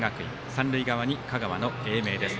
三塁側に香川の英明です。